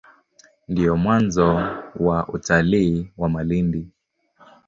Ndio mwanzo wa utalii wa Malindi.